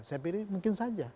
saya pikir mungkin saja